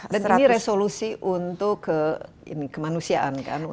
dan ini resolusi untuk kemanusiaan kan